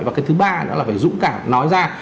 và cái thứ ba nữa là phải dũng cảm nói ra